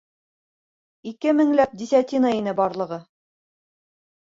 Ике меңләп десятина ине барлығы.